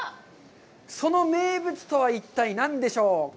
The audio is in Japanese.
その名物とは一体何でしょうか？